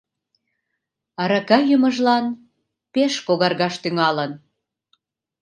Арака йӱмыжлан пеш когаргаш тӱҥалын.